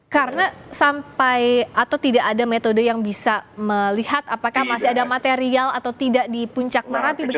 karena sampai atau tidak ada metode yang bisa melihat apakah masih ada material atau tidak di puncak marapi begitu ya